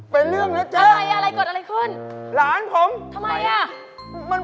เป็นเรื่องรึเจ๊อะไรน่ะเรื่องก่อนอะไรขึ้น